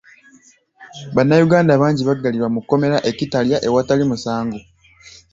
Bannayuganda bangi baggalirwa mu kkomera e Kitalya awatali musango.